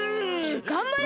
がんばれ！